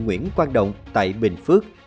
nguyễn quang động tại bình phước